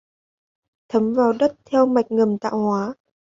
Thấm vào đất theo mạch ngầm tạo hoá